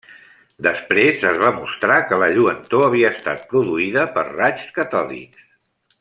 Després es va mostrar que la lluentor havia estat produïda per raigs catòdics.